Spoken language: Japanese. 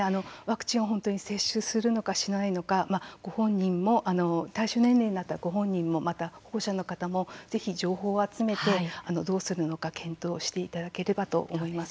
ワクチンを本当に接種するのか、しないのか対象年齢になったらご本人も、また保護者の方もぜひ情報を集めて、どうするのか検討していただければと思います。